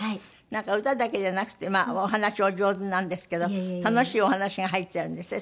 なんか歌だけじゃなくてお話お上手なんですけど楽しいお話が入ってるんですって？